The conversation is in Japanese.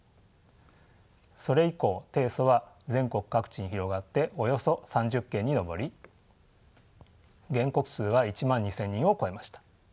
それ以降提訴は全国各地に広がっておよそ３０件に上り原告数は１万２，０００人を超えました。